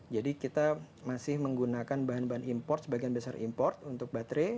jadi kita masih menggunakan bahan bahan import sebagian besar import untuk baterai